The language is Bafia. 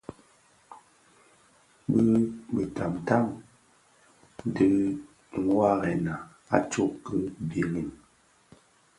Bi bitamtam dhi waarèna a tsog ki birim.